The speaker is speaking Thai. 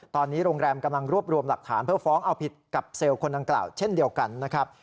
ตอนนี้โรงแรมกำลังรวบรวมหลักฐานเพื่อฟ้องเอาผิดกับเซลล์คนดังกล่าวเช่นเดียวกันนะครับ